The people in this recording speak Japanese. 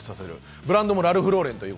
ブランドもラルフ・ローレンです。